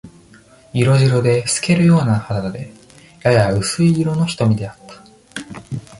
色白で、透けるような肌で、やや薄い色の瞳であった。